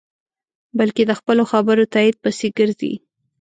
بلکې د خپلو خبرو تایید پسې گرځي.